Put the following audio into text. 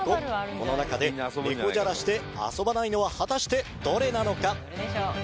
この中で猫じゃらしで遊ばないのは果たしてどれなのか？